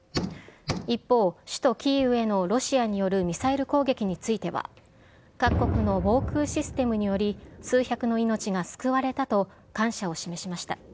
一方、首都キーウへのロシアによるミサイル攻撃については、各国の防空システムにより、数百の命が救われたと感謝を示しました。